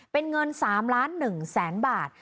เป็นเงิน๓๑๐๐๐๐๐บาท